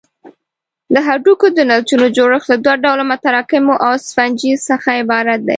د هډوکو د نسجونو جوړښت له دوه ډوله متراکمو او سفنجي څخه عبارت دی.